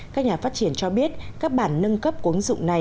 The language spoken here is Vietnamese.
các nhà phát triển cho biết các bản nâng cấp của ứng dụng này